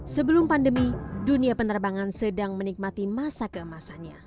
sebelum pandemi dunia penerbangan sedang menikmati masa keemasannya